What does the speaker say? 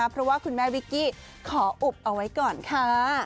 เพราะว่าคุณแม่วิกกี้ขออุบเอาไว้ก่อนค่ะ